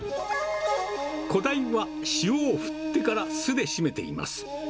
小ダイは塩を振ってから酢で締めています。